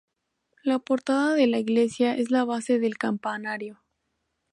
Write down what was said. La portada de la iglesia es la base del campanario.